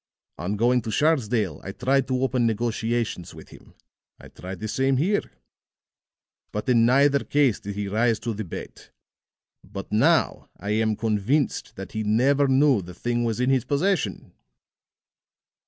On going to Sharsdale I tried to open negotiations with him; I tried the same here. But in neither case did he rise to the bait. But now I am convinced that he never knew the thing was in his possession."